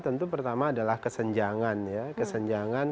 tentu pertama adalah kesenjangan